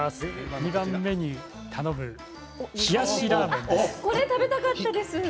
２杯目に頼む冷やしラーメンです。